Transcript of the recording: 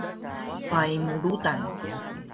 Pai mu rudan